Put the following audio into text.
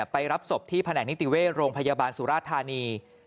ไปรับศพที่แผนกนิติเวชโรงพยาบาลสุราธานี